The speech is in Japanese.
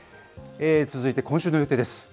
続いて今週の予定です。